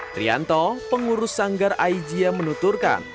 trianto pengurus sanggar aijia menuturkan